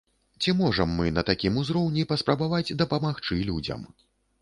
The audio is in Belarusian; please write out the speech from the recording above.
Ці можам мы на такім узроўні паспрабаваць дапамагчы людзям?